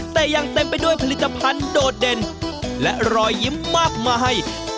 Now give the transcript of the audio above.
แต่ยังเต็มไปด้วยผลิตภัณฑ์โดดเด่นและรอยยิ้มมากมาย